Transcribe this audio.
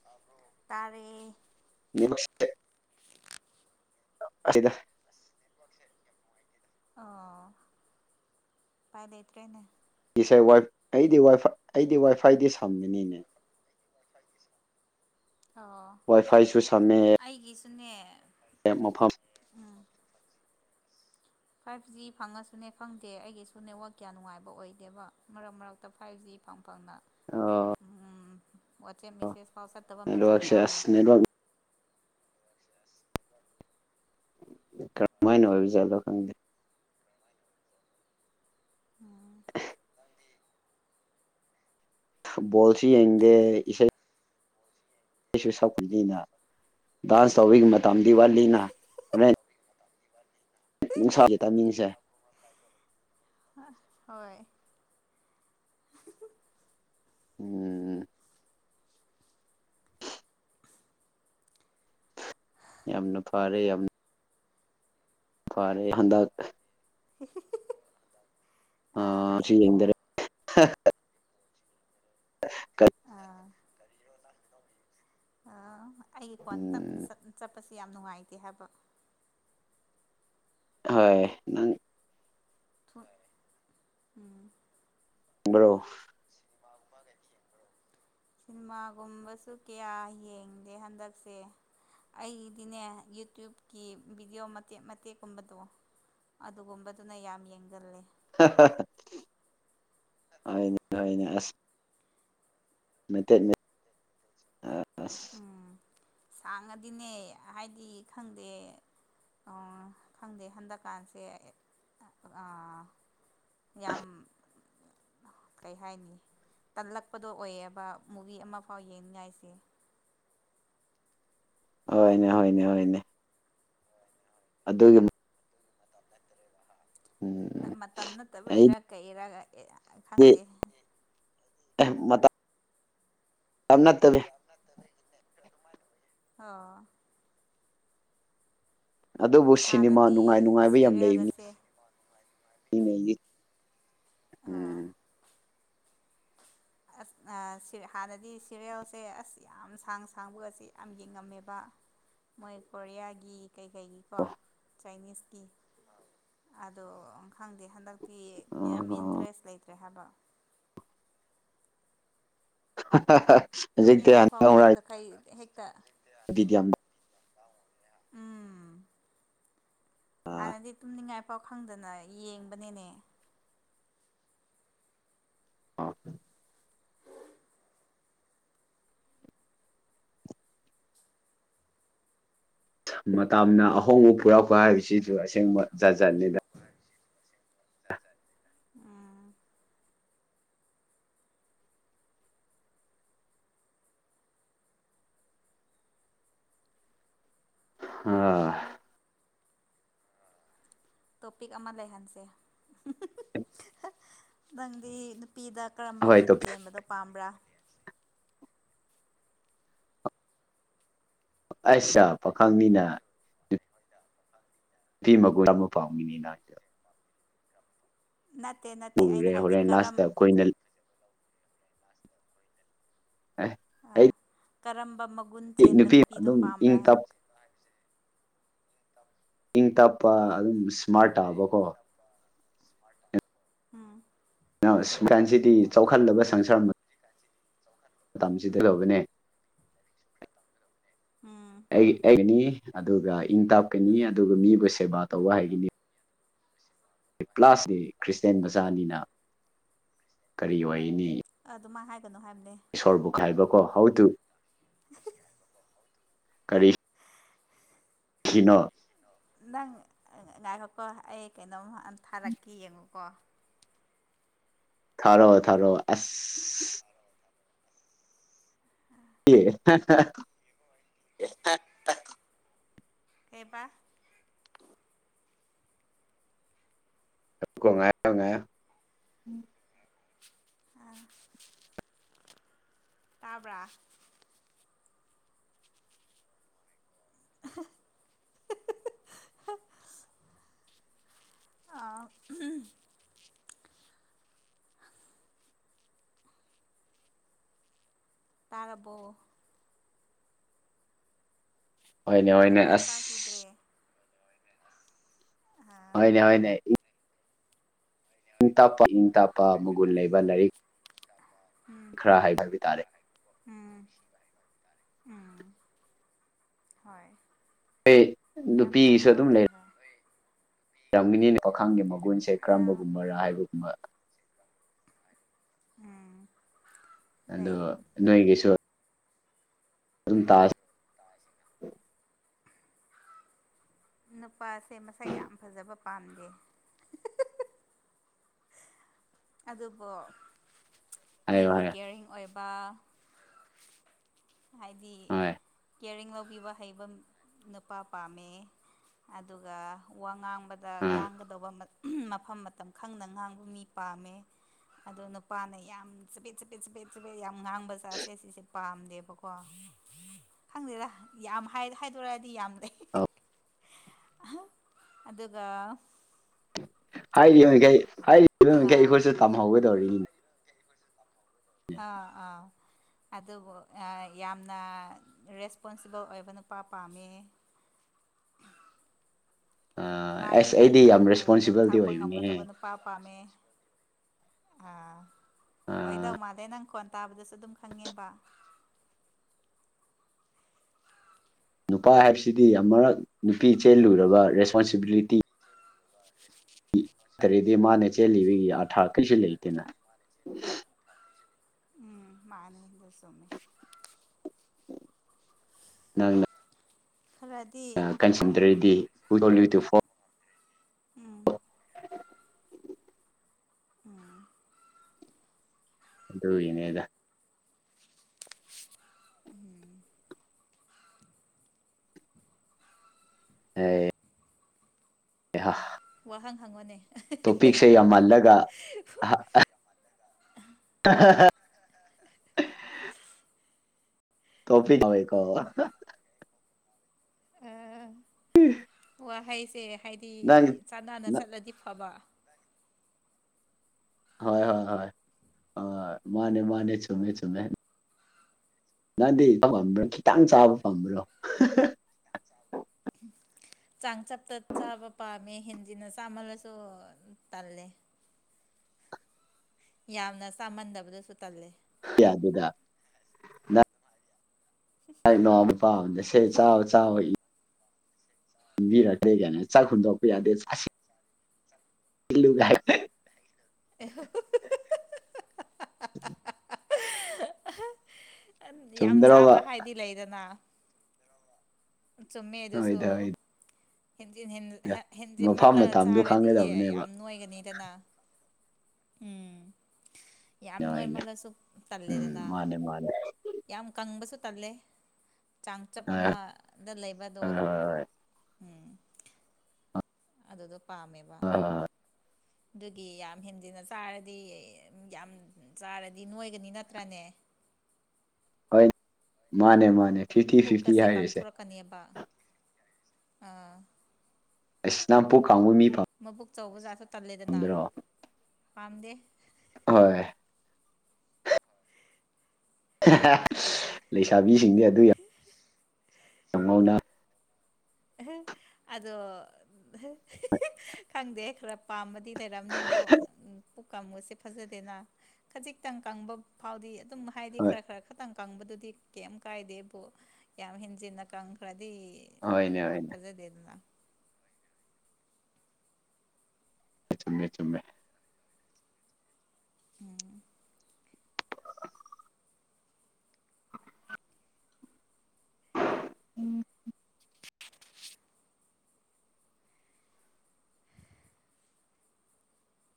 ꯇꯕ꯭ꯔꯣ ꯇꯔꯦ ꯅꯦꯋꯥꯛꯁꯦ ꯑꯁꯤꯗ ꯅꯦꯋꯥꯛꯁꯦ ꯌꯥꯝ ꯅꯨꯉꯥꯏꯇꯦꯗ ꯑꯣ ꯄꯥꯏ ꯂꯩꯇ꯭ꯔꯦꯅꯦ ꯏꯁꯁꯥ ꯋꯥꯏꯞ ꯑꯩꯗꯤ ꯋꯥꯏ ꯐꯥ ꯑꯩꯗꯤ ꯋꯥꯏꯐꯥꯏꯗꯤ ꯁꯝꯃꯤꯅꯤꯅꯦ ꯑꯣ ꯋꯥꯏ ꯐꯥꯏꯁꯨ ꯁꯝꯃꯦ ꯑꯩꯒꯤꯁꯨꯅꯦ ꯑꯦꯛ ꯃꯐꯝ ꯑꯥꯡ ꯐꯥꯏꯚ ꯖꯤ ꯐꯪꯉꯁꯨꯅꯦ ꯈꯪꯗꯦ ꯑꯩꯒꯤꯁꯨ ꯅꯦꯠꯋꯛ ꯀꯌꯥ ꯅꯨꯡꯉꯥꯏꯕ ꯑꯣꯏꯗꯦꯕ ꯃꯔꯛ ꯃꯔꯛ ꯇ ꯐꯥꯏꯚ ꯖꯤ ꯐꯪ ꯐꯪꯅ ꯑꯥ ꯎꯝ ꯋꯥꯆꯦꯞ ꯃꯤꯁꯦꯁ ꯐꯥꯎ ꯆꯠꯇꯕ ꯃꯇꯝ ꯅꯦꯠꯋꯥꯛꯁꯦ ꯌꯥꯎꯋꯤ ꯑꯁ ꯅꯦꯠꯋꯥꯛ ꯀꯔꯝ ꯃꯥꯏꯅ ꯑꯣꯏꯕꯖꯥꯠꯂꯣ ꯈꯪꯗꯦ ꯎꯝ ꯅꯪꯗꯤ ꯐꯨꯠꯕꯣꯜꯁꯨ ꯌꯦꯡꯗꯦ ꯏꯁꯩ__ ꯑꯩꯁꯨ ꯁꯛꯄꯒꯤꯅ ꯗꯥꯟꯁ ꯇꯧꯕꯒꯤ ꯃꯇꯝꯗꯤ ꯋꯥꯠꯂꯤꯅ ꯅꯨꯡꯁꯥꯥꯒꯤ ꯇꯥꯏꯃꯤꯡꯁꯦ ꯍꯣꯏ ꯎꯝ ꯌꯥꯝꯅ ꯐꯥꯔꯦ ꯌꯥꯝ ꯐꯔꯦ ꯍꯟꯗꯛ ꯑꯥ [unintelligible] ꯀ ꯑꯥ ꯑꯥ ꯑꯩꯒꯤ ꯐꯣꯟ ꯇꯞꯅ ꯎꯝ ꯆꯠꯄꯁꯤ ꯌꯥꯝ ꯅꯨꯡꯉꯥꯏꯇꯦ ꯍꯥꯏꯕ ꯍꯣꯏ ꯅꯪ ꯎꯝ ꯕ꯭ꯔꯣ [inaudible] ꯁꯤꯟꯃꯥꯒꯨꯝꯕꯁꯨ ꯀꯌꯥ ꯌꯦꯡꯗꯦ ꯍꯟꯗꯛꯁꯦ ꯑꯩꯗꯤꯅꯦ ꯌꯨꯇ꯭ꯨꯨꯞꯀꯤ ꯚꯤꯗꯤꯑꯣ ꯃꯇꯦꯛ ꯃꯇꯦꯛꯀꯨꯝꯕꯗꯣ ꯑꯗꯨꯒꯨꯝꯕꯗꯨꯅ ꯌꯥꯝ ꯌꯦꯡꯒꯜꯂꯦ ꯍꯅꯦ ꯑꯁ ꯃꯦꯇꯦꯠꯅꯦ ꯑꯥꯁ ꯎꯝ ꯁꯥꯡꯉꯗꯤꯅꯦ ꯍꯥꯏꯗꯤ ꯈꯪꯗꯦ ꯑꯣ ꯈꯪꯗꯦ ꯍꯟꯗꯛꯀꯥꯟꯁꯦ ꯑꯥ ꯌꯥꯝ ꯀꯩ ꯍꯥꯏꯅꯤ ꯇꯜꯂꯛꯄꯗꯣ ꯑꯣꯏꯌꯦꯕ ꯃꯨꯕꯤ ꯑꯃꯐꯥꯎ ꯌꯦꯡꯅꯤꯡꯉꯥꯏꯁꯦ ꯍꯣꯏꯅꯦ ꯍꯣꯏꯅꯦ ꯍꯣꯏꯅꯦ ꯑꯗꯨ ꯎꯝ ꯃꯇꯝ ꯅꯠꯇꯕ ꯏꯔ ꯑꯩꯗꯤ ꯀꯩ ꯏꯔꯒ ꯈꯪꯗꯦ ꯑꯦ ꯃꯇꯝ [unintelligible] ꯑ ꯑꯗꯨꯕꯨ ꯁꯤꯅꯦꯃꯥ ꯍꯥꯟꯅꯗꯤ ꯅꯨꯡꯉꯥꯏ ꯅꯨꯡꯉꯥꯏꯕ ꯌꯥꯝ ꯂꯩꯝꯅꯤ ꯁꯤꯔꯤꯌꯦꯜꯒꯁꯦ ꯑꯣ ꯎꯝ ꯑꯁ ꯑꯥ ꯁꯦꯍꯥꯟꯅꯗꯤ ꯁꯦꯔꯦꯜꯁꯦ ꯑꯁ ꯌꯥꯝ ꯁꯥꯡ ꯁꯥꯡꯕꯒꯁꯦ ꯌꯥꯝ ꯌꯦꯡꯉꯝꯃꯦꯕ ꯃꯣꯏ ꯀꯣꯔꯤꯌꯥꯒꯤ ꯀꯩꯀꯩꯒꯤꯀꯣ ꯆꯥꯏꯅꯤꯁꯀꯤ ꯑꯗꯣ ꯈꯪꯗꯦ ꯍꯟꯗꯛꯇꯤ ꯌꯥꯝ ꯏꯟꯇꯔꯦꯁ ꯂꯩꯇ꯭ꯔꯦ ꯍꯥꯏꯕ ꯍꯧꯖꯤꯛꯇ [unintelligible] ꯀꯩ ꯍꯦꯛꯇ ꯎꯝ ꯍꯥꯟꯅꯗꯤ ꯇꯨꯝꯅꯤꯉꯥꯏ ꯈꯪꯗꯅ ꯌꯦꯡꯕꯅꯦꯅꯦ ꯑ ꯃꯇꯝꯅ ꯑꯍꯣꯡꯕ ꯄꯨꯔꯛꯄ ꯍꯥꯏꯕꯁꯤꯁꯨ ꯑꯁꯦꯡꯕ ꯖꯥꯖꯠꯅꯤꯗ ꯎꯝ ꯍꯥ ꯇꯣꯄꯤꯛ ꯑꯃ ꯂꯩꯍꯟꯁꯦ ꯅꯪꯗꯤ ꯅꯨꯄꯤꯗ ꯀꯔꯝꯕ ꯍꯣꯏ ꯒꯨꯟ ꯆꯦꯟꯕꯗꯣ ꯄꯥꯝꯕ꯭ꯔꯥ ꯑꯩꯁꯥ ꯄꯥꯈꯪ ꯃꯤꯅ ꯇꯤꯃꯒꯨꯔꯄꯝꯒꯅꯤꯅꯪ ꯅꯠꯇꯦ ꯅꯠꯇꯦ ꯑꯩꯅ ꯍꯥꯏꯕꯗꯤ ꯀꯔꯝ ꯀꯣꯏꯅ ꯑ ꯑ ꯀꯔꯝꯕ ꯃꯒꯨꯟ ꯆꯦꯟꯕ ꯅꯨꯄꯤ ꯅꯨꯄꯤꯗꯣ ꯑꯗꯨꯝ ꯄꯥꯝꯕ꯭ꯔ ꯏꯪ ꯍꯥꯏ ꯇꯞ ꯏꯪ ꯇꯞꯄ ꯎꯝ ꯑꯗꯨꯝ ꯏꯁꯃꯥꯔꯠ ꯇꯥꯕꯀꯣ ꯎꯝ ꯅꯥꯎ ꯁꯀꯥꯟꯁꯤꯗꯤ ꯆꯥꯎꯈꯜꯂꯕ ꯁꯪꯁꯔ ꯃꯠ ꯇꯝꯁꯤꯗ ꯂꯧꯕꯅꯦ ꯎꯝ ꯑꯩ ꯑꯩꯒꯅꯤ ꯑꯗꯨꯒ ꯏꯪ ꯇꯥꯞꯀꯅꯤ ꯑꯗꯨꯒ ꯃꯤꯕꯨ ꯁꯦꯕꯥ ꯇꯧꯕ ꯍꯩꯒꯅꯤ ꯀ꯭ꯂꯥꯁꯁꯤ ꯈ꯭ꯔꯤꯁꯇꯌꯥꯦꯟ ꯃꯆꯥꯅꯤꯅ ꯀꯔꯤ ꯑꯣꯏꯅꯤ꯫ ꯑꯥꯗꯨꯃꯥꯏ ꯍꯥꯏꯒꯅꯨ ꯍꯥꯏꯕꯅꯦ꯫ ꯏꯁꯣꯔꯕꯨ ꯈꯥꯏꯕꯀꯣ ꯍꯥꯎ ꯇꯨ ꯀꯔꯤ꯫ ꯈꯤꯅꯣ ꯅꯪ ꯑ ꯉꯥꯏꯈꯣꯀꯣ ꯑꯩ ꯀꯩꯅꯣꯝ ꯊꯥꯔꯛꯀꯦ ꯌꯦꯡꯉꯨꯀꯣ ꯊꯥꯔꯛꯑꯣ ꯊꯥꯔꯛꯑꯣ ꯑꯁ ꯑꯦ [inaudible] ꯀꯩꯕꯥ ꯀꯣ ꯉꯥꯏꯌꯣ ꯉꯥꯏꯌꯣ ꯇꯥꯕ꯭ꯔꯥ ꯑꯥ ꯇꯥꯔꯕꯣ ꯍꯣꯏꯅꯦ ꯍꯣꯏꯅꯦ ꯑꯁ ꯗ꯭ꯔꯦ ꯑꯥ ꯍꯣꯏꯅꯦ ꯍꯣꯏꯅꯦ ꯏꯪ ꯇꯞꯄ ꯏꯪ ꯇꯞꯄ ꯃꯒꯨꯟ ꯂꯩꯕ ꯂꯥꯏꯔꯤꯛ ꯎꯝ ꯈꯔ ꯍꯩꯕ ꯍꯥꯏꯕ ꯇꯥꯔꯦ ꯎꯝ ꯎꯝ ꯍꯣꯏ ꯑꯦ ꯅꯨꯄꯤꯒꯤꯁꯨ ꯑꯗꯨꯝ ꯂꯩ ꯍ ꯅꯣꯏ ꯔꯝꯒꯅꯤꯅ ꯄꯥꯈꯡꯒꯤ ꯃꯒꯨꯟꯁꯦ ꯑꯥ ꯀꯔꯝꯕꯒꯨꯝꯕꯔꯥ ꯍꯥꯏꯕꯒꯨꯝꯕ ꯎꯝ ꯑꯗꯨ ꯂꯩ ꯅꯣꯏꯒꯤꯁꯨ ꯑꯗꯨꯝ ꯇꯥ ꯅꯨꯄꯥꯁꯦ ꯃꯁꯛ ꯌꯥꯝ ꯐꯖꯕ ꯄꯥꯝꯗꯦ ꯑꯗꯨꯕꯨ ꯍꯥꯏꯌꯣ ꯃꯤꯕꯨ ꯍꯥꯏꯌꯣ ꯀꯦꯌꯥꯔꯤꯡ ꯑꯣꯏꯕ ꯍꯥꯏꯗꯤ ꯍꯣꯏ ꯀꯤꯌꯥꯔꯤꯡ ꯂꯧꯕꯤꯕ ꯍꯩꯕ ꯅꯨꯄꯥ ꯄꯥꯝꯃꯦ ꯑꯗꯨꯒ ꯋꯥꯉꯥꯡ ꯕꯗ ꯑꯥ ꯉꯥꯡꯒꯗꯧꯕ ꯃꯠ ꯃꯐꯝ ꯃꯇꯝ ꯈꯪꯅ ꯉꯥꯡꯕ ꯃꯤ ꯄꯥꯝꯃꯦ ꯑꯗꯣ ꯅꯨꯄꯥꯅ ꯌꯥꯝ ꯆꯕꯤꯠ ꯆꯕ ꯕꯦꯠ ꯆꯕꯦꯠ ꯆꯕꯦꯠ ꯌꯥꯝ ꯉꯥꯡꯕ ꯖꯥꯠꯁꯦ ꯁꯤꯁꯦ ꯄꯥꯝꯗꯦꯕꯀꯣ ꯀꯣ ꯈꯪꯗꯦꯗꯥ ꯌꯥꯝ ꯍꯥꯏ ꯍꯥꯏꯗꯣꯔꯛꯗꯤ ꯌꯥꯝ ꯂꯩ ꯑꯧ ꯑꯍꯥ ꯑꯗꯨꯒ ꯍꯥꯏꯔꯤꯕ ꯃꯈꯩ ꯍꯥꯏꯔꯤꯕ ꯃꯈꯩ ꯑꯥ ꯑꯩꯈꯣꯏꯁꯨ ꯇꯝꯍꯧꯒꯗꯧꯔꯤꯅꯤ ꯑꯥ ꯑꯥ ꯑꯗꯨꯕꯨ ꯑꯥ ꯌꯥꯝꯅ ꯔꯦꯁꯄꯣꯟꯁꯤꯕꯜ ꯑꯣꯏꯕ ꯅꯨꯄꯥ ꯄꯥꯝꯃꯦ ꯑꯥ ꯃꯥꯒꯤ ꯑꯁ ꯑꯩꯗꯤ ꯌꯥꯝ ꯏꯃꯨꯡꯕꯨ ꯔꯦꯁꯄꯣꯟꯁꯤꯕꯜꯗꯤ ꯌꯣꯛꯊꯥꯛꯄ ꯑꯣꯏꯕꯅꯤꯍꯦ ꯉꯝꯒꯗꯕ ꯅꯨꯞ ꯄꯥ ꯄꯥꯝꯃꯦ ꯑꯥ ꯑꯥ ꯑꯣꯏꯗꯧ ꯃꯥꯜꯂꯦ ꯅꯪ ꯈꯣꯟ ꯇꯥꯕꯗꯁꯨ ꯑꯗꯨꯝ ꯈꯪꯉꯦꯕꯥ ꯅꯨꯄꯥ ꯍꯥꯏꯕꯁꯤꯗꯤ ꯑꯃꯔꯛ ꯅꯨꯄꯤ ꯆꯦꯜꯂꯨꯔꯕ ꯔꯦꯁꯄꯣꯟꯁꯤꯕꯤꯂꯤꯇꯤ [inaudible] ꯇꯔꯤꯗꯤ ꯃꯥꯅ ꯆꯦꯜꯂꯤꯕꯒꯤ ꯑꯥꯔꯊꯥ ꯀꯩꯁꯨ ꯂꯩꯇꯦꯅ ꯃꯥꯅꯦ ꯑꯗꯨ ꯆꯨꯃꯤ ꯅꯪꯅ ꯈꯔꯗꯤ ꯀꯟꯁꯤꯟꯗ꯭ꯔꯗꯤ ꯍꯨ ꯗꯣꯜ ꯌꯨ ꯇꯨ ꯐꯣ ꯎꯝ [inaudible] [unintelligible] ꯑꯗꯨꯏꯅꯦꯗ ꯎꯝ ꯍꯦ ꯍꯥꯥ ꯋꯥꯍꯪ ꯍꯪꯉꯣꯅꯦ ꯇꯣꯄꯤꯛꯁꯦ ꯌꯥꯝꯃꯜꯂꯒ [unintelligible] [unintelligible] ꯋꯥꯍꯩꯁꯦ ꯍꯥꯏꯗꯤ ꯅꯪ ꯆꯥꯟꯅꯥꯅ ꯅ ꯆꯠꯂꯗꯤ ꯐꯕ ꯍꯣꯏ ꯍꯣꯏ ꯍꯣꯏ ꯃꯥꯅꯦ ꯃꯥꯅꯦ ꯆꯨꯝꯃꯦ ꯆꯨꯝꯃꯦ ꯅꯪꯗꯤ [unintelligible] ꯈꯤꯇꯪ ꯆꯥꯕ ꯄꯝꯕ꯭ꯔꯣ ꯆꯥꯡꯆꯠꯇ ꯆꯥꯕ ꯄꯥꯝꯃꯦ ꯍꯦꯟꯖꯤꯟꯅ ꯆꯥꯃꯜꯂꯁꯨ ꯇꯜꯂꯦ ꯌꯥꯝꯅ ꯆꯥꯃꯟꯗꯕꯗꯨꯁꯨ ꯇꯜꯂꯦ ꯌꯥꯗꯦꯗ [inaudible] [unintelligible] [unintelligible] ꯆꯥꯛ ꯍꯨꯟꯗꯣꯛꯄ ꯌꯥꯗꯦ ꯆꯥꯁꯤ [unintelligible] [unintelligible] ꯌꯥꯝ ꯆꯨꯝꯗ꯭ꯔꯣꯕ ꯆꯥꯕ ꯍꯥꯏꯗꯤ ꯂꯩꯗꯅ ꯆꯨꯝꯃꯦ ꯑꯗꯨꯁꯨ ꯍꯣꯏꯗ ꯍꯣꯏꯗ ꯍꯦꯟꯖꯤꯟ ꯍꯦꯟ ꯍ ꯍꯦꯟꯖꯤꯟ ꯃꯐꯝ ꯃꯜꯂ ꯃꯇꯝꯗꯣ ꯆꯥꯔꯗꯤ ꯈꯪꯒꯗꯕꯅꯦꯕ ꯌꯥꯝ ꯅꯣꯏꯒꯅꯤꯗꯅ ꯎꯝ ꯌꯥꯝ ꯍꯣꯏꯅꯦ ꯅꯣꯏꯃꯜꯂꯁꯨ ꯇꯜꯂꯦꯗꯅ ꯎꯝ ꯃꯥꯅꯦ ꯃꯥꯅꯦ ꯌꯥꯝ ꯀꯪꯕꯁꯨ ꯇꯜꯂꯦ ꯆꯥꯡꯆꯞ ꯍꯣꯏ ꯑꯃꯗ ꯂꯩꯕꯗꯣ ꯍꯣꯏ ꯍꯣꯏ ꯎꯝ ꯑꯗꯨꯗꯣ ꯄꯥꯝꯃꯦ ꯑ ꯑꯗꯨꯒꯤ ꯌꯥꯝ ꯍꯦꯟꯖꯤꯟꯅ ꯆꯥꯔꯗꯤ ꯌꯥꯝ ꯆꯥꯔꯗꯤ ꯅꯣꯏꯒꯅꯤ ꯅꯠꯇ꯭ꯔꯅꯦ ꯍꯣꯏ ꯃꯥꯅꯦ ꯃꯥꯅꯦ ꯐꯤꯐꯇꯤ ꯐꯤꯐꯇꯤ ꯄꯨꯛꯀꯁꯦ ꯍꯥꯏꯔꯤꯁꯦ ꯀꯪꯊꯣꯔꯛꯀꯅꯦꯕ ꯑꯥ ꯑꯁ ꯅꯪ ꯄꯨꯛ ꯀꯪꯕ ꯃꯤ ꯄꯝ ꯃꯕꯨꯛ ꯆꯧꯕ ꯖꯥꯠꯇꯣ ꯇꯜꯂꯦꯗꯅ ꯄꯥꯝꯗꯦ ꯍꯣꯏ ꯂꯩꯁꯥꯕꯤꯁꯤꯡꯗꯤ ꯑꯗꯨ ꯌꯥꯝ [inaudible] ꯉꯧꯅ ꯑꯗꯣ ꯈꯪꯗꯦ ꯈꯔ ꯄꯥꯃ ꯗꯤ ꯂꯩꯔꯝꯅꯤꯕꯨ ꯄꯨꯛꯀꯪꯕꯁꯦ ꯐꯖꯗꯦꯅ ꯈꯖꯤꯛꯇꯪ ꯀꯪꯕ ꯐꯥꯎꯗꯤ ꯑꯗꯨꯝ ꯍꯥꯏꯗꯤ ꯍꯣꯏ ꯈꯔ ꯈꯔ ꯈꯛꯇꯪ ꯀꯪꯕꯗꯨꯗꯤ ꯀꯩꯝ ꯀꯥꯏꯗꯦꯕꯨ ꯌꯥꯝ ꯍꯦꯟꯖꯤꯟꯅ ꯀꯪꯈ꯭ꯔꯗꯤ ꯍꯣꯏꯅꯦ ꯍꯣꯏ ꯐꯖꯗꯦꯗꯅ ꯆꯨꯝꯃꯦ ꯆꯨꯝꯃꯦ ꯎꯝ [unintelligible]